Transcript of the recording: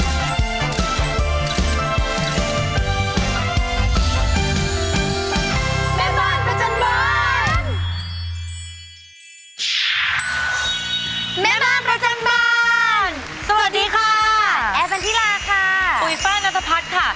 สวัสดีค่ะแอร์ฟันธิราค่ะปุ๋ยฟ้านัทภัทรค่ะ